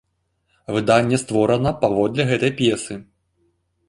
Выданне створана паводле гэтай п'есы.